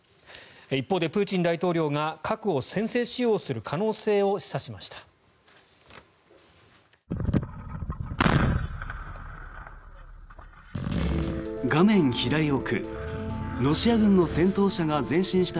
一方でプーチン大統領が核を先制使用する可能性を示唆しました。